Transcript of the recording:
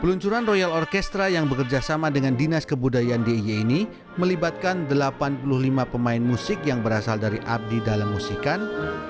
peluncuran royal orchestra yang bekerjasama dengan dinas kebudayaan d i y ini melibatkan delapan puluh lima pemain musik yang berasal dari abdi dalemusikan